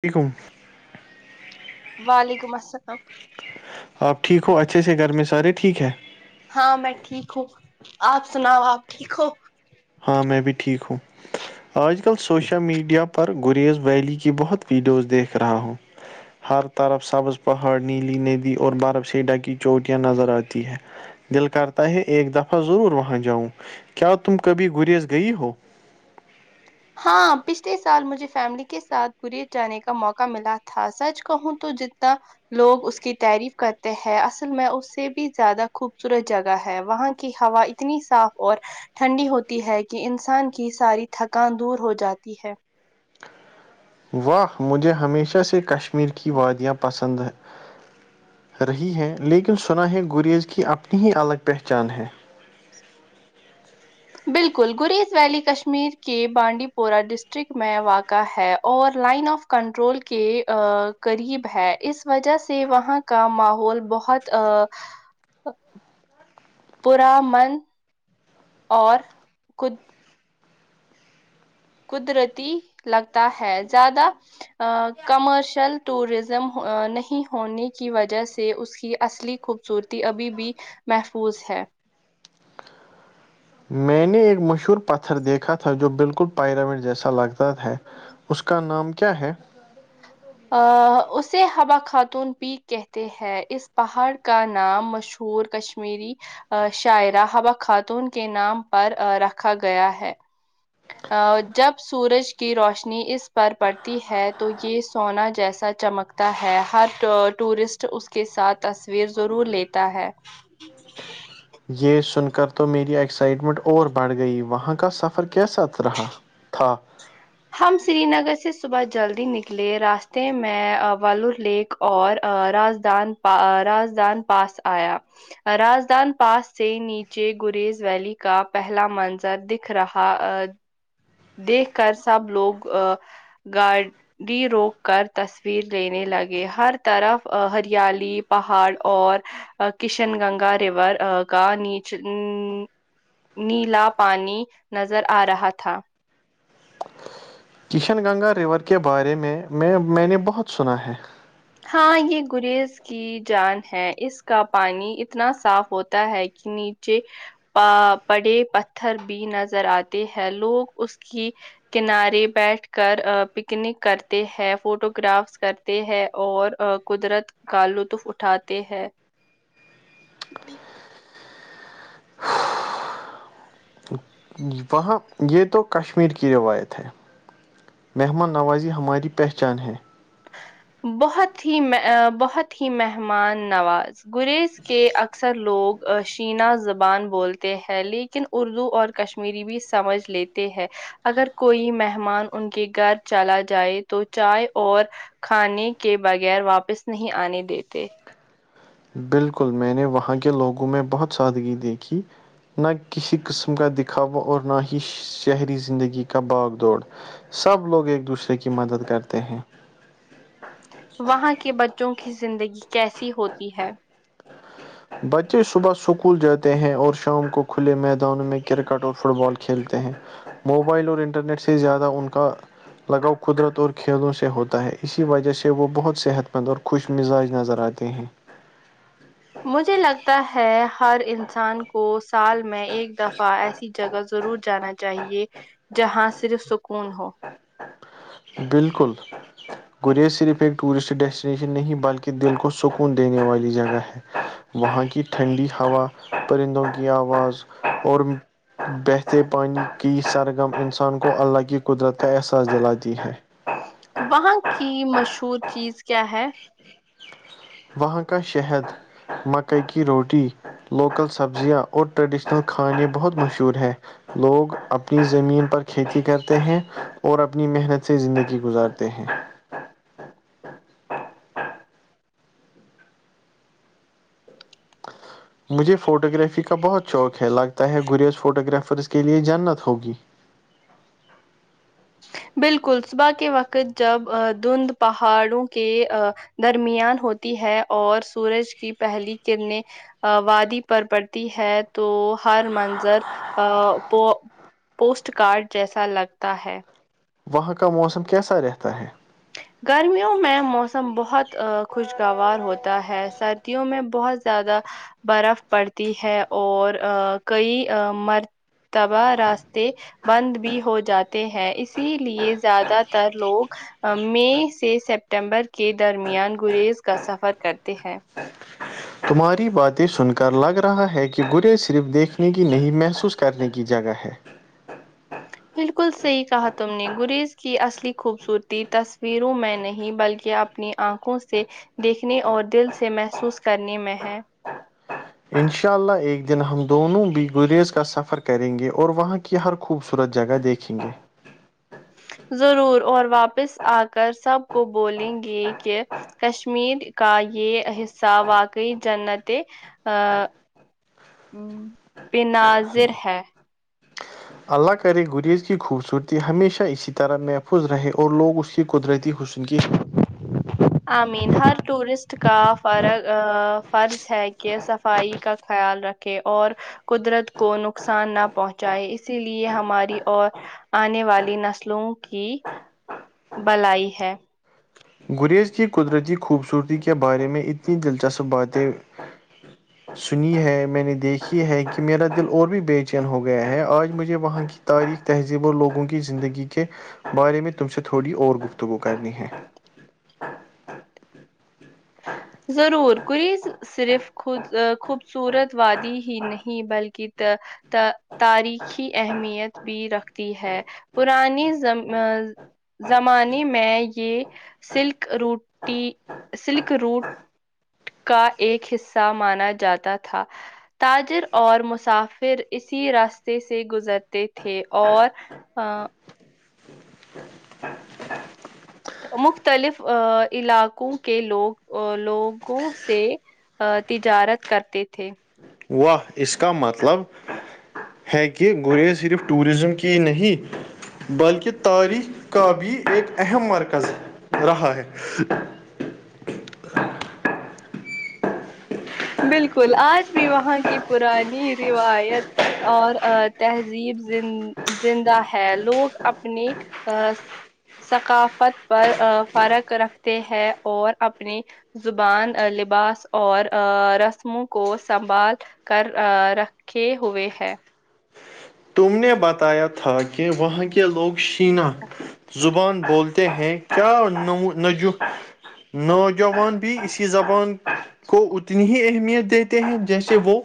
سیکم وعلیکم السلام آپ ٹھیک ہو اچھے سے گھر میں سارے ٹھیک ہے ہاں میں ٹھیک ہوں آپ سناؤ آپ ٹھیک ہو ہاں میں بھی ٹھیک ہوں آج کل سوشل میڈیا پر گریز ویلی کی بہت ویڈیوز دیکھ رہا ہوں ہر طرف سبز پہاڑ نیلی ندی اور برف س ڈکی چوٹیاں نظر آتی ہے دل کرتا ہے ایک دفعہ ضرور وہاں جاؤں کیا تم کبھی گریز گئی ہو ہاں پچھلے سال مجھے فیملی کے ساتھ گریی جانے کا موقع ملا تھا سچ کہوں تو جتنا لوگ اس کی تعریف کرتے ہیں اصل میں اس سے بھی زیادہ خوبصورت جگہ ہے وہاں کی ہوا اتنی صاف اور ٹھنڈی ہوتی ہے کہ انسان کی ساری تھکان دور ہو جاتی ہے واہ مجھے ہمیشہ سے کشمیر کی وادیاں پسند ہیں رہی ہے لیکن سنا ہے گریز کی اپنی ہی الگ پہچان ہے بالکل گریز ویلی کشمیر کے بانڈی پورہ ڈسٹرکٹ میں واقع ہے اور لائن آف کنٹرول کے قریب ہے اس وجہ سے وہاں کا ماحول بہت ا پور من اور کود قدرتی لگتا ہے زیادہ کمرشل ٹوریزم نہیں ہونے کی وجہ سے اس کی اصلی خوب خوبصورتی ابھی بھی محفوظ ہے میں نے ایک مشہور پتھر دیکھا تھا جو بالکل پائراوٹ جیسا لگتا تھا اس کا نام کیا ہے اسے ہوبا خاتون پیک کہتے ہیں اس پہاڑ کا نام مشہور کش کشمیری شاعرہبا خاتون کے نام پر رکھا گیا ہے ا جب سورج کی روشنی اس پر پڑتی ہے تو یہ سونا جیسا چمکتا ہے ہر ٹورسٹ اس کے ساتھ تصویر ضرور لی ہے یہ سن کر تو میری ایکسائٹمنٹ اور بڑھ گئی وہاں کا سفر کیسا رہا تھااں ہم سری نگر سے صبح جلدی نکلے راستے میں وور لیک اور راجدان راجدان پاس آیا راجدان پاس سے نیچے گریز ویلی کا پہلا منظر دکھ رہا دیکھ کر سب لوگ گا ڈ روک کر تصویر لینے لگے ہر طرف ہریالی پہاڑ اور کشن گنگا ریور کا نیچ ا نیلا پانی نظر آ رہا تھا کشن گنگا ریور کے بارے میں میں میں نے بہت سنا ہے ہاں یہ گریز کی جان ہے اس کا پانی اتنا صاف ہوتا ہے کہ نیچ پڑے پتھر بھی نظر آتے ہیں لوگ اس کی کنارے بیٹھ کر پکنک کرتے ہیں فوٹو گرافس کرتے ہیں اور قدرت کال لطف اٹھاتے ہے ج وہاں یہ تو کشمیر کی روایت ہے مہمان نوازی ہماری پہچان ہے بہت ہی بہت ہی مہمان نواز گریز کے اکثر لوگ شینہ زبان بولتے ہیں لیک لیکن اردو اور کشمیری بھی سمجھ لیتے ہیں اگر کوئی مہمان ان کے گھر چلا جائے تو چائے اور کھانے کے بغیر واپس نہیں آنے دیتے بالکل میں نے وہاں کے لوگوں میں بہت سادگی دیکھی نہ کسی قسم کا دکھاوا اور نہ ہی شہری زندگی کا باغ دوڑ سب لوگ ایک دوسرے کی مدد کرتے ہیں وہاں کے بچوں کی زندگی کیسی ہوتی ہے بچے صبح اسکول جاتے ہیں اور شام کو کھلے میدانوں میں کرکٹ اور فٹ بال کھیلتے ہیں موبائل اور انٹرنیٹ سے زیادہ ان کا لگاؤ قدرت اور کھیلوں سے ہوتا ہے اسی وجہ سے وہ بہت صحت مند اور خوش مزاج نظر آتے ہیں مجھے لگتا ہے ہر انسان کو سال میں ایک دفعہ ایسی جگہ ضرور جانا چاہیے جہاں صرف سکون ہو بالکل گریز صرف ایک ایک ٹورسٹ ڈیسٹ اسشن نہیں بلکہ دل کو سکون دینے والی جگہ ہے وہاں کی ٹھنڈی ہوا پرندوں کی آواز اور بہتے پانی کی سرگرم انسان کو اللہ کی قدرت کا احساس دلاتی ہے وہاں کی مشہور چیز کیا ہے وہاں کا شہد مکئی کی روٹی لوکل سبزیاں اور ٹریڈیشنل کھانے بہت مشہور ہیں لوگ اپنی زمین پر کھیتی کرتے ہیں اور اپنی محنت سے زندگی گزارتے ہیں مجھے فوٹوگرافی کا بہت شوق ہے لگتا ہے گریز فوٹوگرافرس کے لیے جنت ہوگی بالکل صبح کے وقت جب دھند پہاڑوں کے درمیان ہوتی ہے اور سورج کی پہلی کرنیں وادی پر پڑتی ہے تو ہر منظر پ پوسٹ کارڈ جیسا لگتا ہے وہاں کا موسم کیسا رہتا ہے گرمیوں میں موسم بہت خوشگوار ہوتا ہے سردیوں میں بہت زیادہ برف پڑتی ہے اور کئی مرتبہ راس بند بھی ہو جاتے ہیں اسی لیے زیادہ تر لوگ آ، مئی سے سپٹمبر کے درمیان گریز کا سفر کرتے ہیں تمہاری باتیں سن کر لگ رہا ہے کہ گرے صرف دیکھ کی نہیں محسوس کرنے کی جگہ ہے بالکل صحیح کہا تم نے گریز کی اصلی خوبصورتی تصویروں میں نہیں بلکہ اب اپنی آنکھوں سے دیکھنے اور دل سے محسوس کرنے میں ہے ان شاء اللہ ایک دن ہم دونوں بھی گریز کا سفر کریں گے اور وہاں کی ہر خوبصورت جگہ دیکھیں گے ضرور اور واپس آ کر سب کو بولیں گے کہ کشمیر کا یہ حصہ واقعی جنتیں ا بناظر ہے اللہ کرے گریز کی خوبصورتی ہمیشہ اسی طرح محفوظ رہے اور لوگ اس کی قدرتی حسن کی امین ہر ٹورسٹ کا فر فرض ہے کہ صفائی کا خیال رکھ اور قدرت کو نقصان نہ پہنچائے اسی لیے ہماری اور آنے والی نسلوں کی بلائی ہے گریز کی قدرتی خوبصورتی کے بارے میں اتنی دلچسپ باتیں [inaudible] ج سنی ہے میں نے دیکھی ہے کہ میرا دل اور بھی بے چین ہو گیا ہے آج مجھے وہاں کی تاریخ تہذیب اور لوگوں کی زندگی کے بارے میں تم سے تھوڑی اور گفتگو کرنی ہے ہاں ضرور کوئی صرف خود خوبصورت وادی ہی نہیں بلکہ تاریخی اہمیت بھی رکھتی ہے پرانی زم زمانے میں یہ سلک روٹی سلک روٹ کا ایک حصہ مانا جاتا تھا تاجر اور مسافر اسی راستے سے گزرتے تھے اور ہ [inaudible] مختلف ا علاقوں کے لوگ لوگوں سے تجارت کرتے تھے واہ اس کا مطلب ہے کہہ گور صرف ٹورزم کی نہیں بلکہ تاریخ کا بھی ایک اہم مرکز رہا ہے بالکل آج بھی وہاں کی پرانی روایت اور تہذیب ز زندہ ہے لوگ اپنے ا ثقافت پر فرق رکھتے ہیں اور اپنی زبان لباس اور رسموں کو سنبھال کر رکھے ہوئے ہیں ت نے بتایا تھا کہ وہاں کے لوگ شینا زبان بولتے ہیں کیا نج نوجوان بھی اسی زبان کو اتنی ہی اہمیت دیتے ہیں جیسے وہ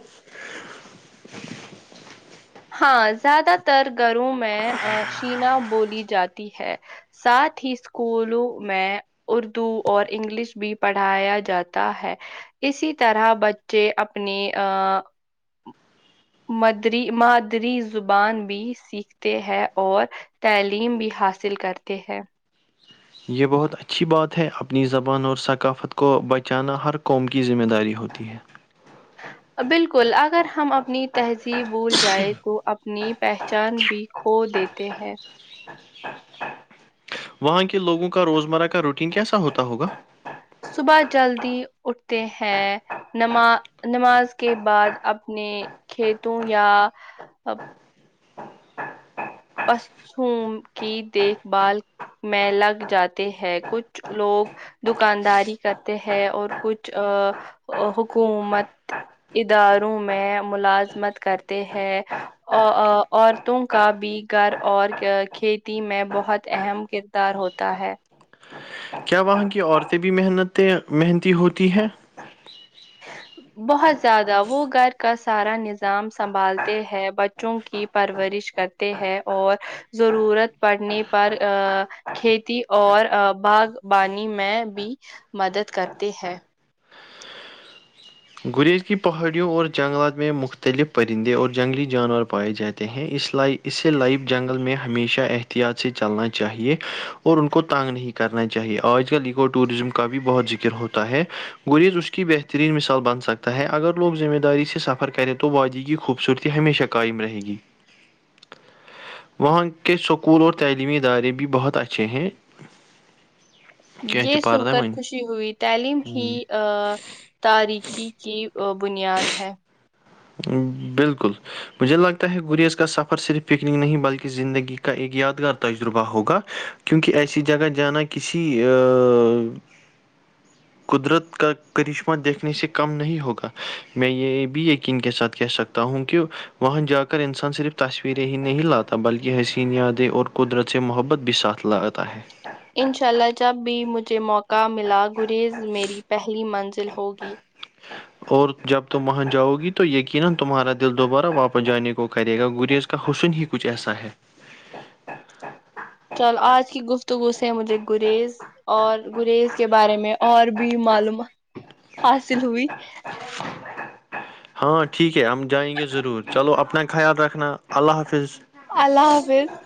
ہاں زیادہ تر گھروں میں شینا بولی جاتی ہے ساتھ ہی اسکولوں میں اردو اور انگلش بھی پڑھایا جاتا ہے اسی طرح بچے اپنی ا مدری مادری زبان بھی سیکھتے ہیں اور تعلیم بھی حاصل کرتے ہیں یہ بہت اچھی بات ہے اپنی زبان اور ثقافت کو بچانا ہر قوم کی ذمہ داری ہوتی ہے بالکل اگر ہم اپنی تہذیب بھول جائے تو اب اپنی پہچان بھی کھو دیتے ہیں وہاں کے لوگوں کا روزمرہ کا روٹین کیسا ہوتا ہوگا صبح جلدی اٹھتے ہیں نم نماز کے بعد اپنے کھیتوں یا پسوں کی دیکھ بھال میں لگ جاتے ہیں کچھ لوگ د دکانداری کرتے ہیں اور کچھ حکومت اداروں میں ملازمت کرتے ہیں ا عورتوں کا بھی گھر اور کھیتی میں بہت اہم کردار دار ہوتا ہے کیا وہاں کی عورتیں بھی محنتیں محنتی ہوتی ہیں بہت زیادہ وہ گھر کا سارا نظام سنبھالتے ہے ب بچوں کی پرورش کرتے ہیں اور ضرورت پڑنے پر ا کھیتی اور باغبانی میں بھی مدد کرتی ہے گریز کی پہاڑیوں اور جنگلات میں مختلف پرندے اور جنگلی جانور پائے جاتے ہیں اس لائی اسے لائف جنگل میں ہمیشہ احتیاط سے چلنا چاہیے اور ان کو تانگ نہیں کرنا چاہیے آج کل اکو ٹوریزم کا بھی بہت ذکر ہوتا ہے گریز اس کی بہترین مثال بنتا سکتا ہے اگر لوگ ذمہ داری سے سفر کریں تو وادی کی خوبصورتی ہمیشہ قائم رہے گی وہاں کے سکول اور تعلیمی ادارے بھی بہت اچھے ہیں یہ سن کیاہتپاردہ کر من خوشی ہوئی تعلیم ہی ا تارخی کی بنیاد ہے بالکل مجھے لگتا ہے گریز کا سفر صرف پکنک نہیں بلکہ زندگی کا ایک یادگار تجربہ ہوگا کیونکہ ایسی جگہ جانا کسی قدرت کا کرشمہ دیکھنے سے کم نہیں ہوگا میں یہ بھی کے ساتھ کہہ سکتا ہوں کہ وہاں جا کر انسان صرف تصویریں ہی نہیں لاتا بلکہ حسین یادیں اور قدرت سے محبت بھی ساتھ لگاتا ہے انشاء اللہ جب بھی مجھے موقع کا ملا گریز میری پہلی منزل ہوگی اور جب تم وہاں جاؤ گی تو یقینا تمہارا دل دوبارہ واپس جانے کو کرے گا گریز کا حسن ہی کچھ ایسا ہے چل آج کی گفتگو سے ہے مجھے گریز اور گریز کے بارے میں اور بھی معلومات حاصل ہوئی ہاں ٹھیک ہے ہم جائیں گے ضرور چلو اپنا خیال رکھنا اللہ حافظ اللہ حافظ